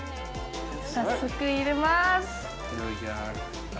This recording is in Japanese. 早速、入れます！